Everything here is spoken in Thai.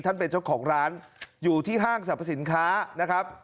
เป็นเจ้าของร้านอยู่ที่ห้างสรรพสินค้านะครับ